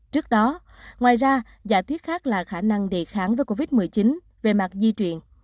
trước đó ngoài ra giả thuyết khác là khả năng đề kháng với covid một mươi chín về mặt di chuyển